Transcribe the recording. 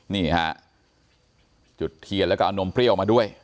นี่ฮะจุดเทียนแล้วก็เอานมเปรี้ยวมาด้วย